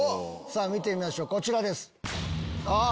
見てみましょうこちらです。